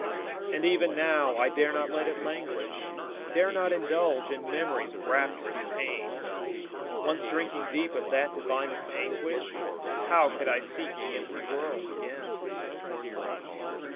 And even now, I dare not let it languish, Dare not indulge in Memory's rapturous pain; Once drinking deep of that divinest anguish, How could I seek the empty world again?